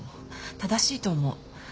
正しいと思う。